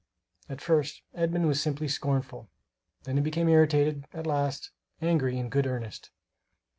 At first, Edmund was simply scornful; then he became irritated at last, angry in good earnest.